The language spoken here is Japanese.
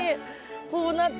こうなって。